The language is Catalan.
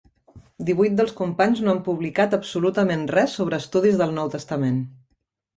Divuit dels companys no han publicat absolutament res sobre estudis del Nou Testament.